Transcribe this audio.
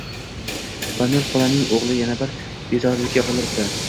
Pomel xolaning o`g`li yana bir bezorilikka qo`l uribdi